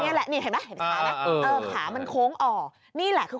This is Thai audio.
อย่างนี้ล่ะคือ